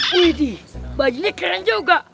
widi bajunya keren juga